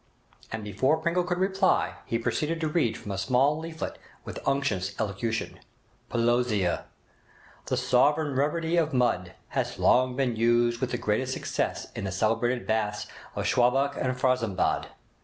And before Pringle could reply he proceeded to read from a small leaflet with unctuous elocution: 'Pelosia. The sovereign remedy of Mud has long been used with the greatest success in the celebrated baths of Schwalbach and Franzensbad.